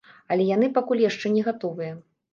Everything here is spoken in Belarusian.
Але яны пакуль яшчэ не гатовыя.